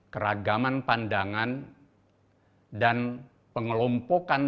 keragaman pandangan dan pengelompokan